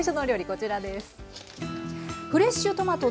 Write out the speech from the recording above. こちらです。